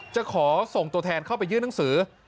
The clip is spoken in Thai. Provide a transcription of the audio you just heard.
จะขอส่งตัวแทนเข้าไปยื่นหนังสือ